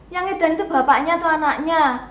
yang edan itu bapaknya atau anaknya